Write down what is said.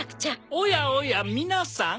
おやおや皆さん。